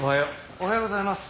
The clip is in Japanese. おはようございます。